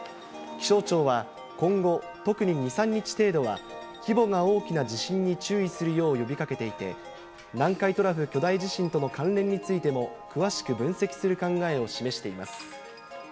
気象庁は、今後、特に２、３日程度は、規模が大きな地震に注意するよう呼びかけていて、南海トラフ巨大地震との関連についても、詳しく分析する考えを示しています。